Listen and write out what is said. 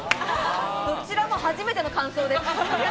どちらも初めての感想です。